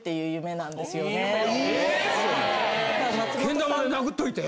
けん玉で殴っといて？